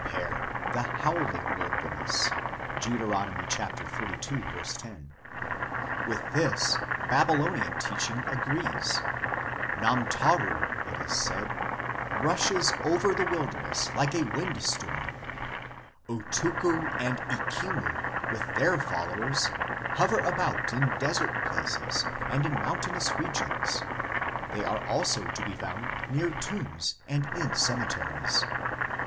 " the howling wilderness," Deut. xxxii. 10). With this Babylonian teaching agrees ; Namtaru, it is said, " rushes over the wilderness like a storm wind "; Utukku and Ekimmu with their followers hover about in desert places and in mountainous regions, they are also to be found near tombs and in cemeteries.